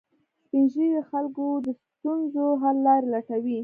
سپین ږیری د خلکو د ستونزو حل لارې لټوي